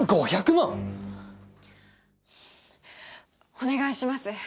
お願いします